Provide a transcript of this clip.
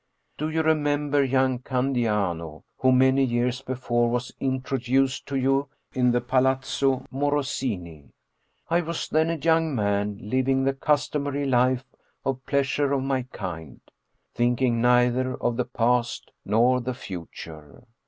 Do you remember young Candiano, who many years before was introduced to you in the Pa 80 Paul Heyse lazzo Morosini? I was then a young man living the cus tomary life of pleasure of my kind, thinking neither of the past nor the future.